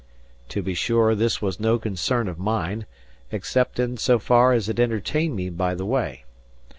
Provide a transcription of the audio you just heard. To be sure, this was no concern of mine, except in so far as it entertained me by the way.